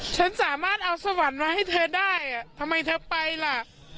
ฉันสามารถเอาสวรรค์มาให้เธอได้ทำไมเธอไปล่ะ